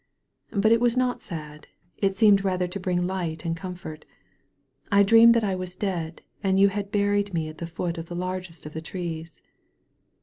"But it was not sad. It seemed rather to bring light and comfort. I dreamed that I was dead, and you had buried me at the foot of the largest of the trees."